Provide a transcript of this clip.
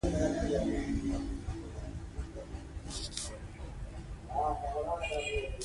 ازادي راډیو د ورزش په اړه څېړنیزې لیکنې چاپ کړي.